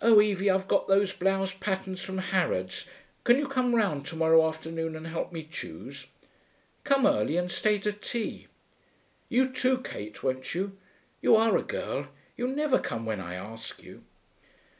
Oh, Evie, I've got those blouse patterns from Harrod's; can you come round to morrow afternoon and help me choose? Come early and stay to tea. You too, Kate, won't you? You are a girl; you never come when I ask you.'